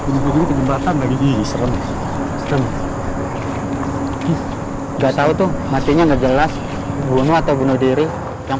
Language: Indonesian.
di tempat tempat anggilis remeh remeh nggak tahu tuh matinya nggak jelas bunuh atau bunuh diri yang